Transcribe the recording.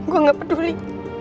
gue gak peduli